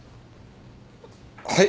はい。